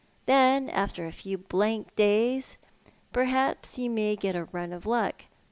Then after a few blank days, perhaps you may get a run of luck.